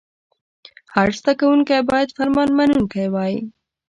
هر زده کوونکی باید فرمان منونکی وای.